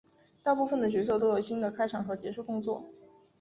大部分的角色都有新的开场和结束动作。